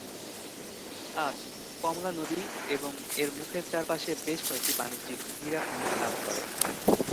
আজ, কমলা নদী এবং এর মুখের চারপাশে বেশ কয়েকটি বাণিজ্যিক হীরা খনি কাজ করে।